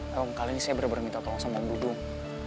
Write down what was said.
ya om kali ini saya bener bener minta tolong sama om dudung